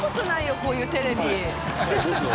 こういうテレビ。